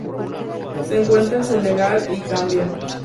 Se encuentra en Senegal y Gambia.